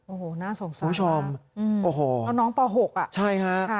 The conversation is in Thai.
โอ้โหน่าสงสารผู้ชมโอ้โหน้องป๖อะใช่ฮะ